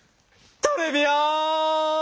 トレビアーン！